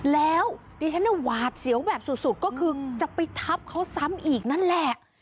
แล้วดิฉันหวาดเสียวแบบสุดก็คือจะไปทับเขาซ้ำอีกนั่นแหละ